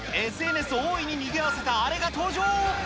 ＳＮＳを大いににぎわせた、あれが登場。